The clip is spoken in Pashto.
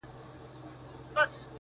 پر نوزادو ارمانونو، د سکروټو باران وينې،